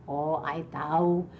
oh i tahu